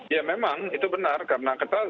ya memang itu benar karena ketat